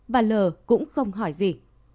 và l cũng không hỏi gì